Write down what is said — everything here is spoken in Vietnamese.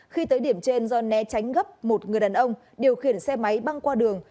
khi tới điểm trên do né tránh gấp một người đàn ông điều khiển xe máy băng qua đường